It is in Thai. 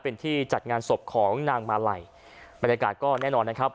เป็นที่จัดงานศพของนางมาลัยบรรยากาศก็แน่นอนนะครับ